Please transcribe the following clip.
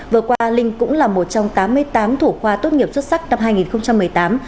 vừa qua linh cũng là một trong tám mươi tám thủ khoa tốt nghiệp xuất sắc năm hai nghìn một mươi tám